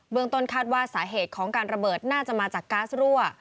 ต้นคาดว่าสาเหตุของการระเบิดน่าจะมาจากก๊าซรั่ว